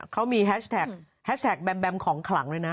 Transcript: เขามีแฮชแท็กแบมแบมของขลังเลยนะ